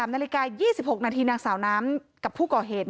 นาฬิกา๒๖นาทีนางสาวน้ำกับผู้ก่อเหตุ